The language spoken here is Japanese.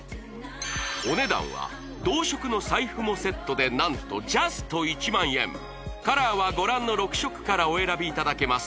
お値段は同色の財布もセットで何とジャスト１万円カラーはご覧の６色からお選びいただけます